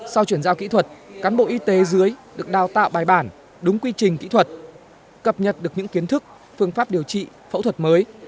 sau chuyển giao kỹ thuật cán bộ y tế dưới được đào tạo bài bản đúng quy trình kỹ thuật cập nhật được những kiến thức phương pháp điều trị phẫu thuật mới